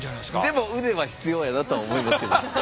でも腕は必要やなとは思いますけど。